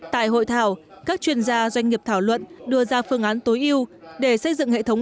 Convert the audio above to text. tại hội thảo các chuyên gia doanh nghiệp thảo luận đưa ra phương án tối ưu để xây dựng hệ thống